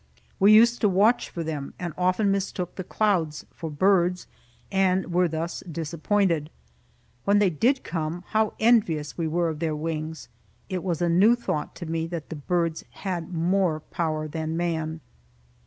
We used to watch for them, and often mistook the clouds for birds, and were thus disappointed. When they did come, how envious we were of their wings! It was a new thought to me that the birds had more power than man.